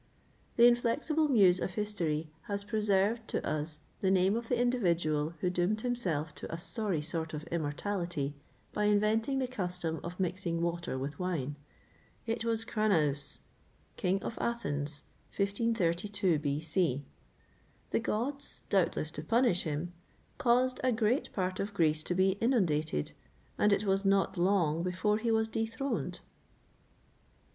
[XXVIII 23] The inflexible muse of history has preserved to us the name of the individual who doomed himself to a sorry sort of immortality by inventing the custom of mixing water with wine; it was Cranaüs, King of Athens, 1532 B.C.[XXVIII 24] The gods, doubtless to punish him, caused a great part of Greece to be inundated, and it was not long before he was dethroned.